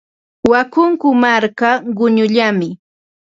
Wakunku marka quñullami.